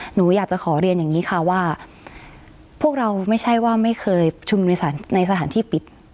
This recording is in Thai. หนูอยากจะขอเรียนอย่างนี้ค่ะว่าพวกเราไม่ใช่ว่าไม่เคยชุมในสถานที่ปิด